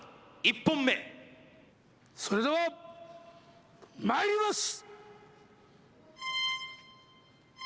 １本目それではまいります！